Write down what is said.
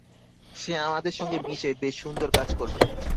সে আমাদের সঙ্গে মিশে বেশ সুন্দর কাজ করবে।